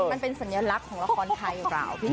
มันเป็นสัญลักษณ์ของละครไทยเหรอพี่แดง